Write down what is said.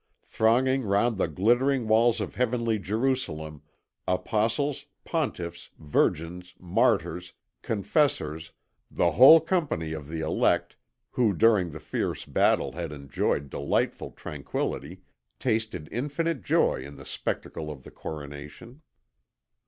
Thronging round the glittering walls of Heavenly Jerusalem, apostles, pontiffs, virgins, martyrs, confessors, the whole company of the elect, who during the fierce battle had enjoyed delightful tranquillity, tasted infinite joy in the spectacle of the coronation.